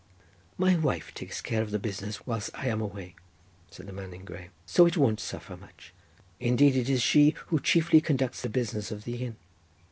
"My wife takes care of the business whilst I am away," said the man in grey, "so it won't suffer much. Indeed it is she who chiefly conducts the business of the inn.